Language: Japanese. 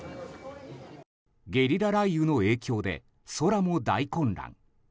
ゲリラ雷雨の影響で空も大混乱。